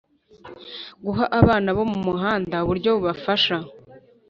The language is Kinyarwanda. Guha abana bo muhanda uburyo bubafasha